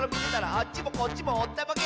「あっちもこっちもおったまげ！」